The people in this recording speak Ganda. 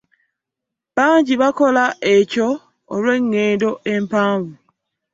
Bangi bakola ekyo olw'eŋŋendo empanvu.